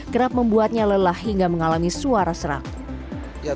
kerap membuatnya lelah hingga mengalami suara serak